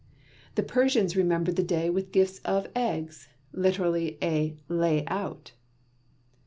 The Persians remember the day with gifts of eggs literally a "lay out!"